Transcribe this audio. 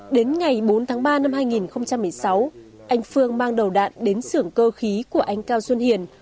đến ngày bốn tháng ba năm hai nghìn một mươi sáu anh phương mang đầu đạn đến sưởng cơ khí của anh cao xuân hiền